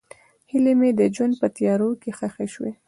هیلې مې د ژوند په تیارو کې ښخې شوې.